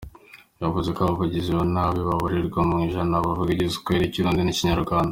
Yavuze ko abo bagizi ba nabi babarirwaga mu ijana bavuga igiswahili, ikirundi n’ikinyarwanda.